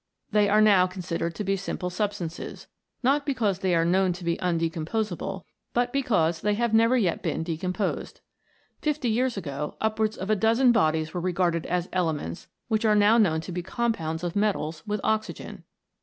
They are now con sidered to be simple substances, not because they are known to be un decomposable, but because they have never yet been decomposed. Fifty years ago upwards of a dozen bodies were regarded as elements which are now known to be compounds of metals with oxygen.